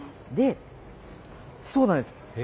そうなんです。